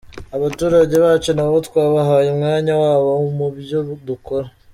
Abaturage bacu nabo twabahaye umwanya wabo mubyo dukora.